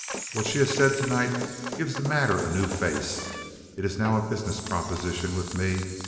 What she has said to night gives the matter a new face. It is now a business proposition with me.